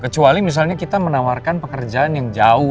kecuali misalnya kita menawarkan pekerjaan yang jauh